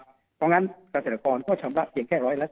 เพราะฉะนั้นเกษตรกรก็ชำระเพียงแค่๑๔